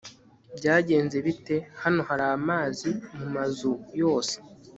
byagenze bite? hano hari amazi mumazu yose